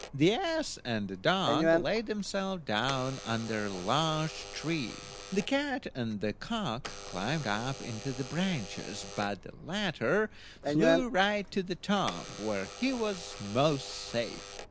The ass and the dog laid themselves down under a large tree, the cat and the cock climbed up into the branches, but the latter flew right to the top, where he was most safe.